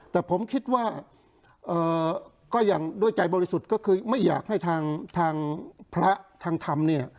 แต่ผมคิดว่าก็อย่างด้วยใจบริสุทธิ์ก็คือไม่อยากให้ทางพระทางธรรมเนี่ย